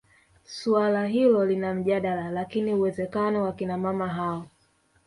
Suala hilo lina mjadala lakini uwezekano wa akina mama hao